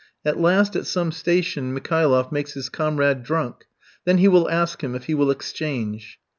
At last at some station Mikhailoff makes his comrade drunk, then he will ask him if he will "exchange."